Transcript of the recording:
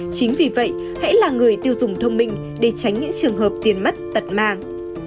chính vì vậy hãy là người tiêu dùng thông minh để tránh những trường hợp tiền mất tật mang